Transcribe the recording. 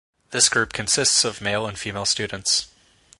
This group consists of male and female students.